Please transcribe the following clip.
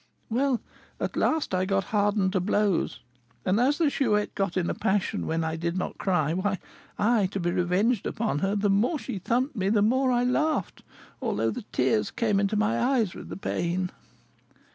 "Well, at last I got hardened to blows; and as the Chouette got in a passion when I did not cry, why I, to be revenged upon her, the more she thumped me the more I laughed, although the tears came into my eyes with the pain."